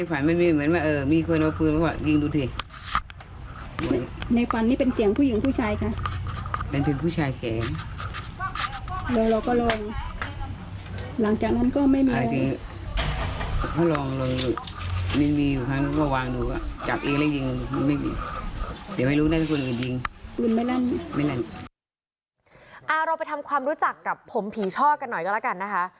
เราไปทำความรู้จักกับผมผีช่อกันหน่อยก็แล้วกันนะคะ